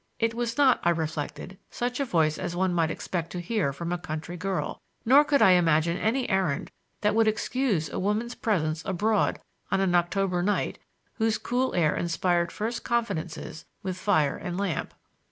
It was not, I reflected, such a voice as one might expect to hear from a country girl; nor could I imagine any errand that would excuse a woman's presence abroad on an October night whose cool air inspired first confidences with fire and lamp.